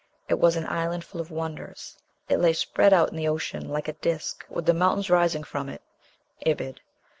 It was an island full of wonders. It lay spread out in the ocean "like a disk, with the mountains rising from it." (Ibid.)